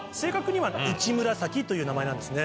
という名前なんですね。